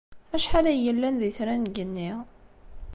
Acḥal ay yellan d itran deg yigenni?